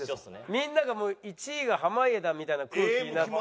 みんながもう「１位が濱家だ」みたいな空気になって。